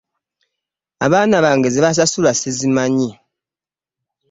Abaana bange ze basasula ssizimanyi.